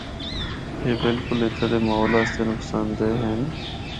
اے بالکل اِتھّا دے ماحول آسطے نقصان دہ ہن۔